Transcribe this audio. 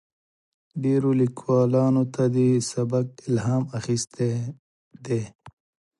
ډیرو لیکوالانو له دې سبک الهام اخیستی دی.